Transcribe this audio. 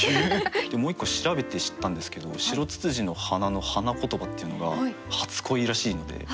もう一個調べて知ったんですけど白躑躅の花の花言葉っていうのが「初恋」らしいので。